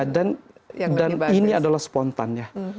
dan ini adalah spontan ya